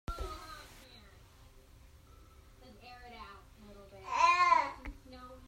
Lam an chunh ning aa ngerhnguaih tuk caah eksident an tong lengmang.